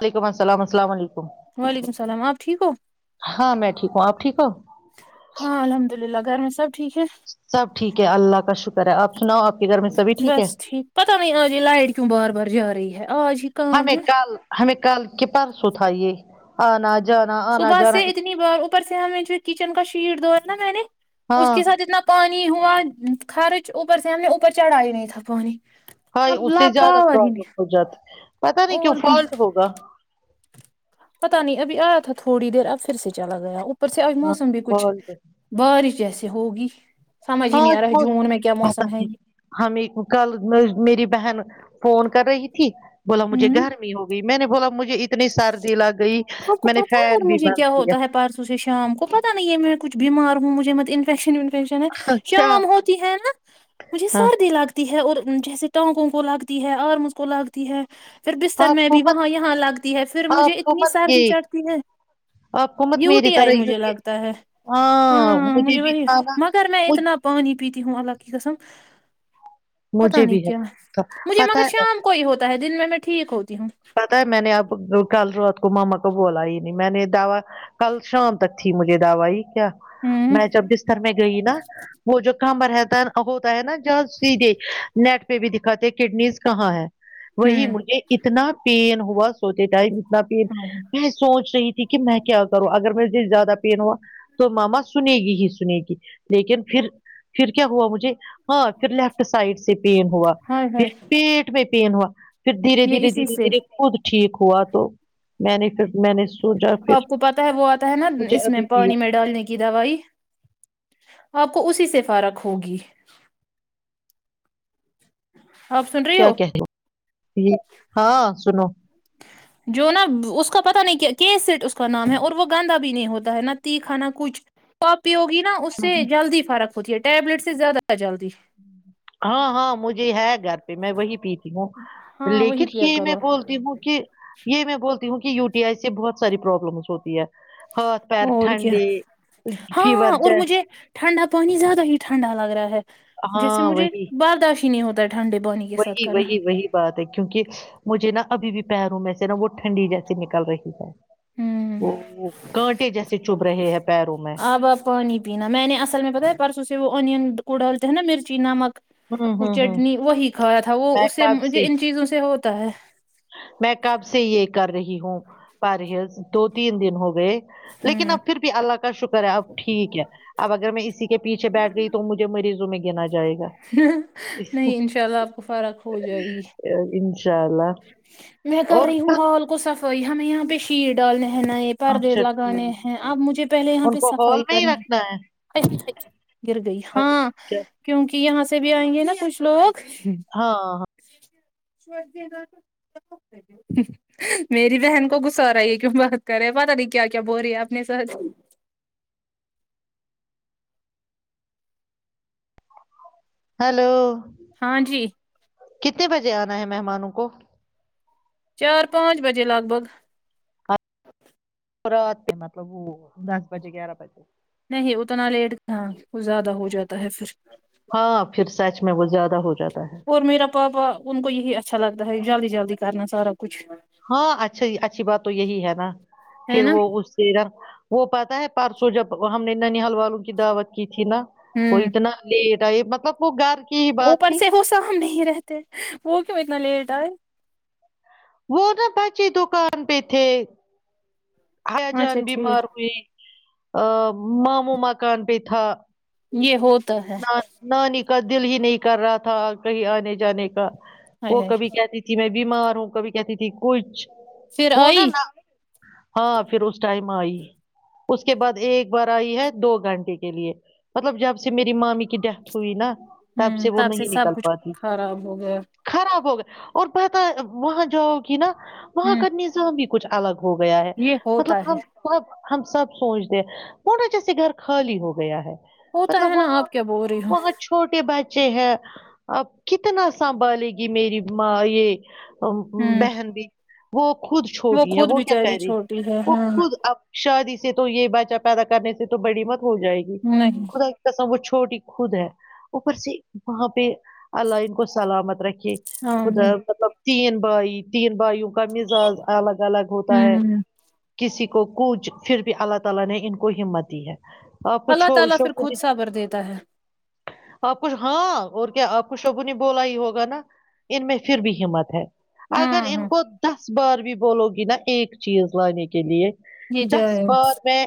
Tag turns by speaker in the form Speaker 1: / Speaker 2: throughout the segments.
Speaker 1: وعلیکم السلام السلام علیکم
Speaker 2: وعلیکم السلام آپ ٹھیک ہو
Speaker 1: ہاں میں ٹھیک ہوں آپ ٹھیک ہے [unintelligible]
Speaker 2: ہاں الحمد للہ گھر میں سب ٹھیک ہے
Speaker 1: سب ٹھیک ہے اللہ کا شکر ہے آپ سناؤ آپ کے گھر میں سبھی ٹھیک ہے
Speaker 2: بس پتہ نہیں آج یہ لائٹ کیوں بار بار جا رہی ہے [inaudible] کام
Speaker 1: ہمیں
Speaker 2: ہے
Speaker 1: کل ہمیں [unintelligible] کل کے پرسوں تھا یہ آج [unintelligible] جانا آنا
Speaker 2: صبح
Speaker 1: جان
Speaker 2: سے اتنی بار اوپر سے ہمیں جو کچن کا شیٹ دوا نا میں نے اس
Speaker 1: ہاں
Speaker 2: کے ساتھ اتنا پہچ [unintelligible] انی ہوا خرچ اوپر سے ہمنے اوپر چڑھا ہی نہیں تھا پانی
Speaker 1: ہائی
Speaker 2: اب
Speaker 1: اس
Speaker 2: لا
Speaker 1: سے زیادہ
Speaker 2: پاور ہی
Speaker 1: پرابلم
Speaker 2: نہیں
Speaker 1: ہو جاتی پت نہیں کیوں
Speaker 2: اور
Speaker 1: فالٹ ہوگا
Speaker 2: پتا نہیں ابھی آیا تھا تھوڑی دیر اب پھر سے چلا گیا ارس آ
Speaker 1: ہاں
Speaker 2: مسم بھی کچھ
Speaker 1: فالٹ
Speaker 2: بارش جیسے ہوگی سمجھ ہی
Speaker 1: ہ
Speaker 2: نہیں آ رہا ہے جون میں کیا موسم ہے یہ
Speaker 1: ہمیں کل میری بہن فون کر رہی تھی بولا مجھے
Speaker 2: ہوں
Speaker 1: گرمی ہوگئی میں نے بولا مجھے اتنی سردی لگی
Speaker 2: آپ کو پتا ہے اور مجھے کیا ہوتا ہے پرارسو سے شام کو پتا نہیں ہے میں کچھ ب بیمار مجت انفیکشن و فشن ہے
Speaker 1: کیا
Speaker 2: شام ہوتی ہے نا مجھے
Speaker 1: ہاں
Speaker 2: سردی لگتی ہے اور جیسے ٹانگوں کو لگتی ہے آرمز کو لگتی ہے پھر بستر
Speaker 1: آپ
Speaker 2: میں
Speaker 1: کو
Speaker 2: بھی
Speaker 1: مت
Speaker 2: وہاں یہاں لگتی ہے پھر مجھے
Speaker 1: آپ کو
Speaker 2: اتنی
Speaker 1: مت
Speaker 2: سردی
Speaker 1: یہ
Speaker 2: چڑھتی ہے
Speaker 1: آپ کو مت میری
Speaker 2: یوٹی آئی
Speaker 1: طرح یوں
Speaker 2: مجھے لگتا ہے ہاں مجھے
Speaker 1: بھی
Speaker 2: وہی
Speaker 1: تھا نا
Speaker 2: مگر میں
Speaker 1: مجھ
Speaker 2: اتنا پانی پیتا تیہوں الگ کی گسم پتا
Speaker 1: مجھے
Speaker 2: نہیں
Speaker 1: بھی ہے
Speaker 2: کیا مجھے مگر
Speaker 1: پتا ہے
Speaker 2: شام کو ہی ہوتا ہے دن میں میں ٹھیک ہو
Speaker 1: پتا ہے میں نے آپ کل رات کو ماما کو بولا ہی نہیں میں نے دوا کل شام تک تھی مجھے دوائی کیا
Speaker 2: ہوں
Speaker 1: میں جب بستر میں گئی نا وہ جو کہاں رہتا ہوتا ہے نا جہ سیدھے نیٹ پہ بھی دکھاتے کڈنیز کہاں ہے وہی
Speaker 2: ہوں
Speaker 1: مجھے اتنا اتنا پین ہوا سوچے ٹائم اتنا پین
Speaker 2: ہائے ہائے
Speaker 1: میں سوچ رہی تھی کہ میں کیا کروں اگر میںے زیادہ پین ہوا تو ماما سنے گی ہی سنے گی لیکن پھر پھر کیا ہوا مجھے ہاں پھر لیفٹ سائڈ سے پین ہوا
Speaker 2: ہائے
Speaker 1: پھر
Speaker 2: ہائے
Speaker 1: پیٹ میں پین ہوا پھر دھیرے
Speaker 2: یہ
Speaker 1: دھیرے دھیرے
Speaker 2: اسی سے
Speaker 1: دھیرے کود ٹھیک ہوا تو میں نے پھر میں نے سوچا پھر
Speaker 2: آپ کو پتا ہے وہ آتا ہے نا
Speaker 1: مجھے
Speaker 2: اس میں
Speaker 1: ابھی بھی
Speaker 2: پانی میں ڈالنے کی دوائی آپ کو اسی سے فارق ہوگی آپ سن رہی
Speaker 1: کیا
Speaker 2: ہو
Speaker 1: کہتے ج ہاں سنو
Speaker 2: جو نا اس کا پتا نہیں کیا کی سیٹ اس کا نام ہے اور وہ گندا بھی نہیں ہوتا ہے نہ تیکھا نہ کچھ توپ ی ہوگی نا اس سے جلدی فرق ہوتی ہے ٹیبلیٹ سے زیادہ جلدی
Speaker 1: ہاں ہاں مجھے ہے گ پہ میں وہی پیتی ہوں
Speaker 2: ہاں وہی
Speaker 1: لیکن
Speaker 2: پیا
Speaker 1: یہ
Speaker 2: کرو
Speaker 1: میں
Speaker 2: آپ۔
Speaker 1: بولتی ہوں کہ یہ میں بولتی ہوں کہ یو ٹی آئی سے بہت ساری پروابلمس ہوتی ہے ہاتھ پیر
Speaker 2: اور کیا
Speaker 1: ٹھنڈے
Speaker 2: ہاں
Speaker 1: فیور
Speaker 2: ہاں اور
Speaker 1: جیس
Speaker 2: مجھے ٹھنڈا پانی زیادہ ہی ٹھنڈا لگ رہا ہے جیسے
Speaker 1: ہاں
Speaker 2: مجھے
Speaker 1: وہی
Speaker 2: بارداشی نہیں ہوتا ہے ٹھنڈے پانی کے ساتھ
Speaker 1: وہی
Speaker 2: کرنا
Speaker 1: وہی وہی بات ہے کیونکہ مجھے نا ابھی بھی پیروں میں سے نا وہ ٹھنڈی جیسی نکل رہی ہے
Speaker 2: ہوں
Speaker 1: وہ کانٹے جیسے چبھ رہے ہیں پیروں میں
Speaker 2: اب آپ این کوڑلتے نا مرچی نمک
Speaker 1: ہوں
Speaker 2: وہ
Speaker 1: ہوں ہوں
Speaker 2: چٹنی وہی کھایا تھا وہ
Speaker 1: میں
Speaker 2: اس سے م
Speaker 1: کب
Speaker 2: ان چیزوں سے ہو تا ہے
Speaker 1: میں کب سے یہ کر رہی ہوں پرز دو تین دن ہو گئے گئے لیکن
Speaker 2: ہوں
Speaker 1: اب پھر بھی اللہ کا شکر ہے اب ٹھیک ہے اب اگر میں اسی کے پیچھے بیٹھ گئی تو مجھے مریضوں میں گ
Speaker 2: نہیں انشاء اللہ آپ کو فرق ہو جائے گ
Speaker 1: شء الا
Speaker 2: میں کر رہی ہوں گاال کو سف تو یہ ہمیں یہاں پہ شیر ڈالنے ہیں نا پر دڑ
Speaker 1: اچھا
Speaker 2: لگانے ہیں اب مجھے پہلے یہاں
Speaker 1: ان
Speaker 2: پہ
Speaker 1: کو ہال
Speaker 2: صفائی
Speaker 1: میں ہی
Speaker 2: کرنی
Speaker 1: رکھنا ہے
Speaker 2: گر گئی ہاں
Speaker 1: کیا
Speaker 2: کیونک یہاں سے سے بھی آئیں گے ناچھ لوگ
Speaker 1: ہاں ہاں
Speaker 2: ش دین میری بہن کو گسا رہای ہے کیوں بات کر رہے پتا نہیں کیا کیا بول رہی ہے اپنے س
Speaker 1: ہلو
Speaker 2: ہاں جی
Speaker 1: کتنے بجے آنا ہے مہمانوں کو
Speaker 2: چار پانچ بجے لگ بھگ
Speaker 1: رات کے مطلب وہ دس بجے گیارہ بجے
Speaker 2: نہیں اتنا لیٹ ہاں کچ زیادہ ہو جاتا ہے پھر
Speaker 1: ہاں پھر سچ میں وہ زیادہ ہو جاتا ہے
Speaker 2: اور میرا پاپا ان کو یہی اچھا لگتا ہے جلدی جبی کرنا سارا کچھ
Speaker 1: ہاں اچھا اچھی بات تو یہی ہے نا
Speaker 2: ہے
Speaker 1: پھر
Speaker 2: نا
Speaker 1: وہ اس سے نا وہ پتہ ہے پرسوں جب ہم نے ننحال والوں کی دعوت کی تھی نا وہ
Speaker 2: ہوں
Speaker 1: اتنا لیٹ یہ مطلب وہ گھر کی ہی بات
Speaker 2: اوپر
Speaker 1: تھی
Speaker 2: سے وہ سہم نہیں رہتے وہ کیوں اتنا لیٹ آںے
Speaker 1: وہ نا بچے دکان پہ تھے حیا جان
Speaker 2: اچھا
Speaker 1: بیمار
Speaker 2: ٹھیک
Speaker 1: ہوئی ماموں مکان پے تھا
Speaker 2: یہ ہو
Speaker 1: نانی کا دل ہی نہیں کر رہا تھا کہیں آنے جانے کا
Speaker 2: ہائے
Speaker 1: وہ
Speaker 2: ہائے
Speaker 1: کبھی کہتی تھی میں بیمار ہوں کبھی کہتی تھی کچھ
Speaker 2: پھر
Speaker 1: وہ
Speaker 2: آئی
Speaker 1: نا نا ہاں پھر اس ٹائم آئی اس کے بعد ایک بار آئی ہے دو گھنٹے کے لیے مطلب جب سے میری مامی کی ڈیتھ ہوئی نا تب
Speaker 2: ہوں
Speaker 1: سے وہ نہیں نکل
Speaker 2: سب کچھ
Speaker 1: پاتی
Speaker 2: خراب ہو گیا
Speaker 1: خراب ہو گیا اور پتہ ہے وہاں جاؤ گی نا وہاں
Speaker 2: ہوں
Speaker 1: کا نظام بھی کچھ الگ ہو گیا ہے
Speaker 2: یہ
Speaker 1: مطلب
Speaker 2: ہوتا ہے
Speaker 1: ہم ہم سب سوچتے ہیں وہ نا جیسے گھر خالی ہو گیا ہے
Speaker 2: ہوتا
Speaker 1: مطلب
Speaker 2: ہے نا
Speaker 1: وہاں
Speaker 2: آپ کیا بول رہی ہو
Speaker 1: وہاں چھوٹے بچے بچے ہیں آپ کتنا سنبھالے گی میری ماں یہ ام
Speaker 2: ہوں
Speaker 1: بہن بھی وہ خود چھوٹی ہے
Speaker 2: خود
Speaker 1: وہ کیا
Speaker 2: بچاری
Speaker 1: کرے گی
Speaker 2: چھوٹی ہے
Speaker 1: وہ
Speaker 2: ہاں
Speaker 1: خود اب شادی سے تو یہ بچہ آ پیدا کرنے سے تو بڑی مت ہو جائے گی
Speaker 2: نہیں
Speaker 1: اللہ قسم وہ چھوٹی خود ہے اوپر سے وہاں پہ اللہ ان کو سلامت رکھے یہ خود
Speaker 2: آمین
Speaker 1: مطلب تین بھائی تین بھائیوں کا مزاج الگ الگ ہوتا ہے
Speaker 2: ہوں
Speaker 1: کسی کو کوچ پھر بھی اللہ تعالی نے ان کو ہمت دی ہے اور کچھ
Speaker 2: اللہ
Speaker 1: ہو
Speaker 2: تعالی
Speaker 1: ش
Speaker 2: پھر خود سبر دیتا ہے
Speaker 1: آپ کچھ ہاں اور کیا آپ کو شب نے بولا ہی ہوگا نا ان میں پھر بھی ہمت ہے اگر
Speaker 2: ہاں
Speaker 1: ان
Speaker 2: ہاں
Speaker 1: کو دس بار بھی بولو گی نا ایک چیز لانے کے لیے
Speaker 2: یہ جو
Speaker 1: دس
Speaker 2: ہے
Speaker 1: بار میں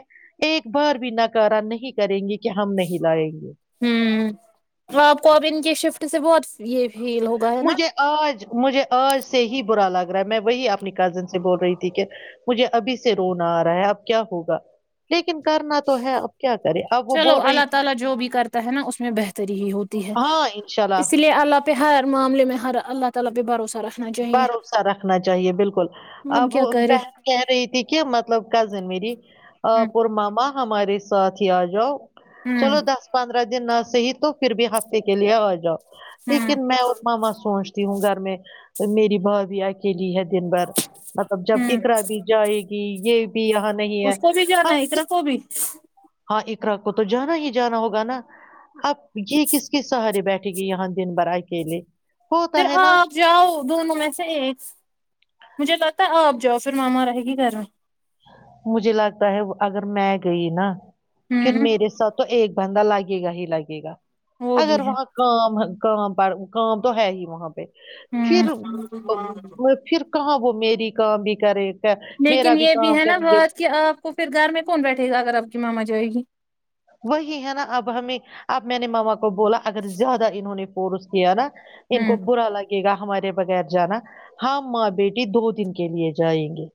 Speaker 1: ایک بار بھی ناکارا نہیں کریں گی
Speaker 2: ہوں اور آپ کوب کی شف سے بہت یہ ہیھیل ہوگا ہے نا
Speaker 1: مجھے آج مجھے آج سے ہی برا لگ رہا ہے میں وہی اپنی کزن سے بول رہی تھی کہ مجھے ابھی سے رونا آ رہا ہے اب کیا ہوگا لیکن کرنا تو ہے اب کیا کرے اب وہ بول
Speaker 2: چلو
Speaker 1: رہی
Speaker 2: جو بھی کرتا ہے نا اس میں بہتری ہی ہوتی ہے
Speaker 1: ہاں انشاء اللہ
Speaker 2: اس لیے اہر معامے میں ہر اللہ تعالی پہ بھروسہ رکھنا چاہیے
Speaker 1: بھروسہ رکھنا چاہیے بالکل اب
Speaker 2: کیا کرے
Speaker 1: بہن کہہ رہی تھی کہ مطلب کزن میری
Speaker 2: ہوں
Speaker 1: آپ اور ماما ہمارے ساتھ ہی آ جاؤ
Speaker 2: ہوں
Speaker 1: چلو دس پندرہ نہ صی تو پھر بھی ہفتے کے لیے آ جاؤ
Speaker 2: ہوں
Speaker 1: لیکن میں ا ماواں سوچتا ہوں گھر میں میری با بھی اکیلی ہے دن بھر مطلب جب
Speaker 2: ہوں
Speaker 1: اقرا بھی جائے گی کہ یہ بھی یہاں نہیں ہے
Speaker 2: اس کو بھی جو نا
Speaker 1: اب
Speaker 2: ہے اتر کوبھی
Speaker 1: ہاں اقرق کو تو جانا ہی جانا ہوگا نا اب یہ کس کس سہارے بیٹھے ٹ گ یہ ہاں دن برا ہے کے لیے
Speaker 2: پھر آپ جاؤ دونوں میں سے ایک مجھے لگتا ہے آپ ج پھر ماما رہے گی گھر
Speaker 1: مجھے لگتا ہے اگر میں گئی نا پھر
Speaker 2: ہوں
Speaker 1: میرے ساتھ تو ایک بندہ لگے گا ہی لگے گا
Speaker 2: وہ بھی
Speaker 1: اگر
Speaker 2: ہے
Speaker 1: وہاں کا کام پر کام تو ہے ہی وہاں پہ
Speaker 2: ہوں
Speaker 1: پھر پھر کہاں وہ میری یک بھی کرے میرا
Speaker 2: لیکن
Speaker 1: بھی
Speaker 2: یہ بھی
Speaker 1: کام
Speaker 2: ہے نا
Speaker 1: کریں گے
Speaker 2: بہت کہ آپ کو پھر گھر میں کون بیٹھے گا اگر آپ کی ماما مزہ آئے گی
Speaker 1: وہی ہے نا اب ہمیں آب میں نے ما کو بولا اگر زیادہ انہوں نے پورس کی ہے نا ان کو
Speaker 2: ہوں
Speaker 1: برا لگے گا ہمارے بغیر جانا ہاں ماں بیٹی دو دن کے لیے جائیں گے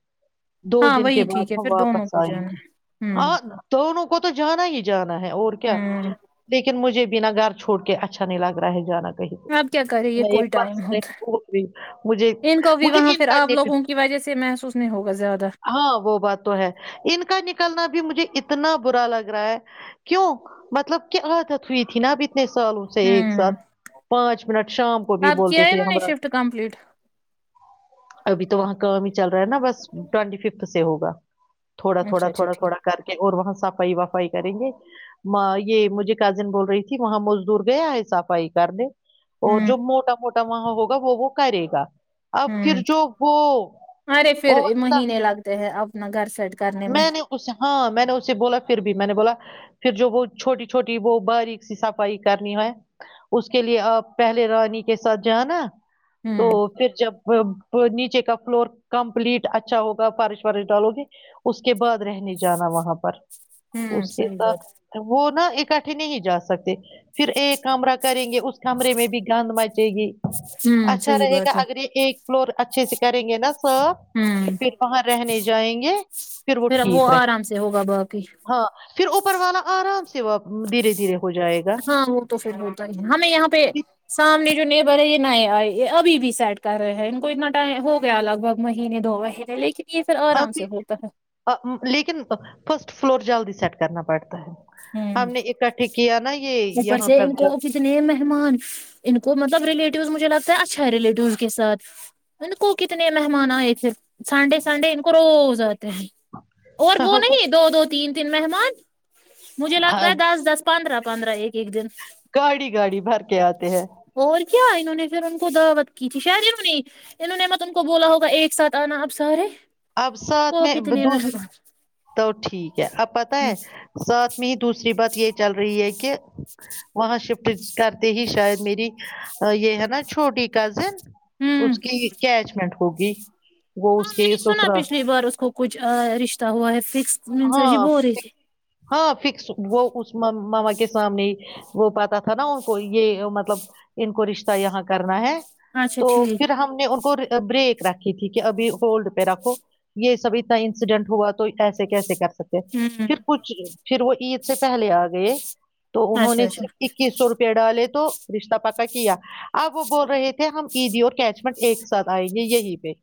Speaker 1: دو
Speaker 2: ہاں
Speaker 1: دن کے
Speaker 2: وہی ٹھیک
Speaker 1: بعد
Speaker 2: ہے
Speaker 1: ہم
Speaker 2: پھر دونوں
Speaker 1: واپس
Speaker 2: کو
Speaker 1: آئیں گے
Speaker 2: جانا ہوں
Speaker 1: ہاں دونوں کو تو جانا ہی جانا ہے اور کیا
Speaker 2: ہوں
Speaker 1: لیکن مجھے بھی بنا گھر چھوڑ کے اچھا نہیں لگ رہا ہے جانا
Speaker 2: اب کیا کرے یہ
Speaker 1: میںس
Speaker 2: کوئی ٹائم ہوتا
Speaker 1: مجھے
Speaker 2: ہے ان کو بھی
Speaker 1: مجھے
Speaker 2: وہاں
Speaker 1: ان
Speaker 2: پھر
Speaker 1: کا
Speaker 2: آپ
Speaker 1: نک
Speaker 2: لوگوں کی وجہ سے محسوس نہیں ہوگا زیادہ
Speaker 1: ہاں وہ بات تو ہے ان کا نکلنا بھی مجھےنا اتنا برا لگ رہا ہے کیوں مطلب کیا عادت ہوئی تھی نا ابھی تو اتنے سالوں سے ایک
Speaker 2: ہوں
Speaker 1: ساتھ پانچ منٹ شام کو بھی
Speaker 2: آپ
Speaker 1: بولتے
Speaker 2: کیا ہے
Speaker 1: تھے
Speaker 2: انہوں نے
Speaker 1: ہما
Speaker 2: شفٹ کمپلیٹ
Speaker 1: ابھی تو وہاں کام ہی چل رہا ہے نا بس ٹینٹی ففتھ سے ہوگا تھوڑا تھوڑا
Speaker 2: اچھا اچھا
Speaker 1: تھوڑا
Speaker 2: ٹھیک
Speaker 1: تھوڑا کر کے اور وہاں سب فئی وا فائی کریں گے یہ مجھے کازن بول رہی تھی وہاں مزدور گیا ہے صفائی کرنے اور
Speaker 2: ہوں
Speaker 1: جو موٹا موٹا وہاں ہوگا وہ وہ کرے گا اب
Speaker 2: ہوں
Speaker 1: پھر جو وہ
Speaker 2: ارے پھر
Speaker 1: اور
Speaker 2: مہینے لگتے ہیں اب نگر سائڈ
Speaker 1: میں نے اس ہاں میں نے اسے بولا پھر بھی میں نے بولا پھر جو وہ چھوٹی چھوٹی وہ باریک سی صفائی کرنی ہے اس کے لیے آپ پہلے رانی کے ساتھ ج نا تو
Speaker 2: ہوں
Speaker 1: پھر جب نیچے کا فلور کمپلیٹ اچھا ہوگا فارش وارش ڈالو گی اس کے بعد رہنے جانا وہاں پر
Speaker 2: ہوں
Speaker 1: اس کے
Speaker 2: صحیح بات
Speaker 1: ساتھ وہ نا ایک کٹے نہیں جا سکتے پھر ایک کمرہ کریں گے اس کمرے میں بھی گند مچے گی
Speaker 2: ہوں
Speaker 1: اچھا
Speaker 2: صحیح
Speaker 1: رہے گا
Speaker 2: بات ہے
Speaker 1: اگر یہ ایک فلور اچھے سے کریں گے نا سرب
Speaker 2: ہوں
Speaker 1: پھر وہاں رہنے جائیں گے
Speaker 2: پھر وہ آرام سے ہوگا باقی
Speaker 1: ہاں پھر اوپر والا آرام سے وہ دھیرے دھیرے ہو جائے گا
Speaker 2: ہاں وہ تو پھر ہوتا ہی ہے ہمیں یہاں پہ سامنے جو نیبر ہے یہ نئے آئے یہ ابھی بھی سیڈ کر رہے ہیں ان کو اتنا ٹائم ہو گیا لگ بھگ مہینے دو مہینے لیکن یہ پھر آرام سے ہوتا ہے
Speaker 1: لیکن فسٹ فلور جلد سیٹ کرنا پڑا
Speaker 2: ہ
Speaker 1: یہ
Speaker 2: اوپر
Speaker 1: یہاں
Speaker 2: سے
Speaker 1: پر
Speaker 2: ان کو
Speaker 1: جب
Speaker 2: کتنے مہمان ان کو مطلب ریلیٹ مجھے لگتا ہے اچھا ہے ریلیٹیو کے سات کو کتنے مہمان آئے تھے سنڈے سنڈے ان کو روزد اور وہ نہیں دو دو تین دین محمان مجھے لگتا ہے دس دس پندرہ پندرہ ایک ایک دن
Speaker 1: گاڑی گاڑی بھر کے آتے ہے
Speaker 2: اور کیا انہوں نے پھر ان کو دعوت کی تھی شاید انوں نے انہوں نے م تو ان کو بولا ہوگا ایک ساتھ آنا اب سارے
Speaker 1: اب سات
Speaker 2: وہ کتنے
Speaker 1: میںس
Speaker 2: مہمان
Speaker 1: تو ٹھیک ہے اب پت ہے
Speaker 2: ہوں
Speaker 1: ساتھ میں ہی دوسری بات یہ چل رہی ہے کہ وہاں شفٹ کرتے ہی شاید میری یہ ہے نا چھوٹی کزن
Speaker 2: ہاں
Speaker 1: اس کی کیچمنٹ ہوگی وہ اس
Speaker 2: میں
Speaker 1: کے
Speaker 2: نے سنا
Speaker 1: سسرال
Speaker 2: پچھلی بار اس کو کچھ رشتہ ہوا ہے فکس منسر
Speaker 1: ہاں
Speaker 2: جی بول رہے تھ
Speaker 1: فک- ہاں فکس وہ اس ماما کے سامنے ہی وہ پاتا تھا نا ان کو یہ مطلب ان کو رشتہ یہاں کرنا ہے
Speaker 2: اچھا
Speaker 1: تو
Speaker 2: ٹھیک
Speaker 1: پھر ہم نے ان کو بریک رکھی تٹھیک ہے ابھی ہولڈ پہ رکھو یہ سب اتنا انسیڈنٹ ہوا تو ایسا [unintelligible]
Speaker 2: ہوں
Speaker 1: [unintelligible] [inaudible] پھر وہ عید سے پہلے آ گئے تو انہوں
Speaker 2: اچھا
Speaker 1: نے
Speaker 2: اچھا
Speaker 1: صرف اکیس سو روپے ڈالے تو رشتہ پاکا کیا اب وہ بول رہے تھے ہم عیدی اور کیچمنٹ ایک ساتھ آئیں گے یہی پہ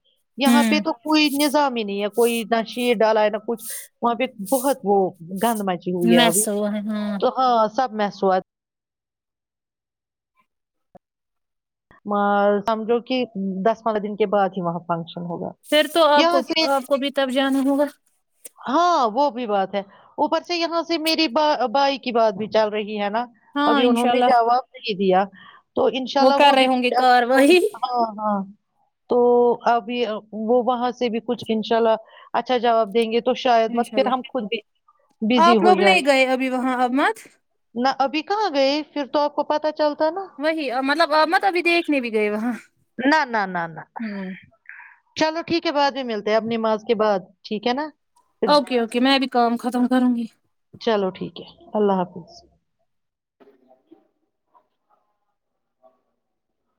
Speaker 1: یہاں
Speaker 2: ہوں
Speaker 1: پہ تو کوئی نظام ہی نہیں ہے کوئی نہ شیرر ڈالا ہے نہ کچھ وہاں پہ بہت وہ گند مچی ہوئی ہے اب
Speaker 2: میس ہوا ہے
Speaker 1: تو ہاں سب محسوس سمجھو کہ دس پرہ دن کے بعد ہی وہاں فنکشن ہوگا
Speaker 2: پھر تو آپ کو
Speaker 1: یہاں سے
Speaker 2: آپ کو بھی تب جانا ہوگا
Speaker 1: ہاں وہ بھی بات ہے اوپر سے یہاں سے میری ب بائی کی بات بھی چل رہی ہے نا
Speaker 2: ہاں
Speaker 1: ابھی انہوں
Speaker 2: انشاء
Speaker 1: نے
Speaker 2: اللہ
Speaker 1: جواب نہیں دیا تو انشاء اللہ
Speaker 2: کر
Speaker 1: وہ
Speaker 2: رہے
Speaker 1: بھی
Speaker 2: ہوں گے کاروائی
Speaker 1: ہاں ہاں تو ابھی وہ وہاں سے بھی کچھ ان شاء اللہ اچھا جواب دیں گے تو شاید مت
Speaker 2: انشاء
Speaker 1: پھر
Speaker 2: اللہ
Speaker 1: ہم خود بھی بزی
Speaker 2: آپ
Speaker 1: ہو
Speaker 2: لوگ
Speaker 1: جائیں
Speaker 2: نہیں
Speaker 1: گے۔
Speaker 2: گئے ابھی وہاں احمد
Speaker 1: نہ ابھی کہاں گئے پھر تو آ کو پتا چلتا نا
Speaker 2: وہی مطلب ا مت ابھی دیکھ کتنے بھی گئے وہاں
Speaker 1: نہ نہ نہ نہ
Speaker 2: ہ
Speaker 1: چلو ٹھیک ہے بعد میں ملتے ہے اب نماز کے بعد ٹھیک ہے نا پھر
Speaker 2: اوکے اوکے میں بھی کام ختم کروں گی
Speaker 1: چلو ٹھیک ہے اللہ حافظ
Speaker 2: ج